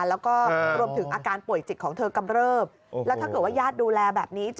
แล้วก็รวมถึงอาการป่วยจิตของเธอกำเริบแล้วถ้าเกิดว่าญาติดูแลแบบนี้